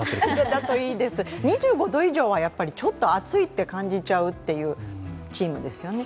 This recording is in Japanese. だといいです、２５度以上はちょっと暑いと感じちゃうというチームですよね。